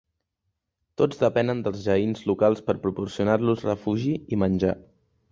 Tots depenen dels Jains locals per proporcionar-los refugi i menjar.